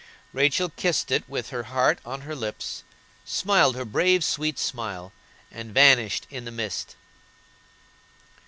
Rachel kissed it with her heart on her lips, smiled her brave sweet smile, and vanished in the mist.